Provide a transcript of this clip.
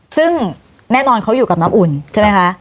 ซึ่งแน่นอนเขาอยู่กับน้ำอุ่นใช่ไหมคะ